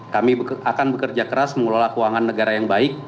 kami akan bekerja keras mengelola keuangan negara yang baik